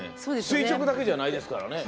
垂直だけじゃないですからね。